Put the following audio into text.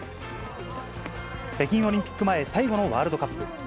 北京オリンピック前、最後のワールドカップ。